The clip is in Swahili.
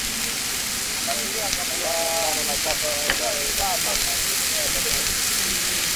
changanya ngano na chapa manaashi katika na chekecha pamoja